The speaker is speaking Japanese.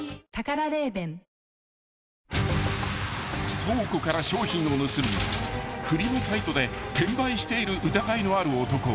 ［倉庫から商品を盗みフリマサイトで転売している疑いのある男］